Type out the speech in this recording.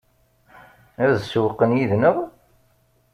Ad sewwqen yid-neɣ?